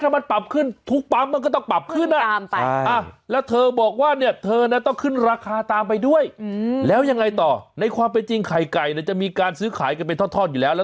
มันก็เหมือนราคาทะมันนั่นแหละ